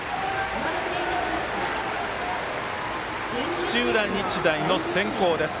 土浦日大の先攻です。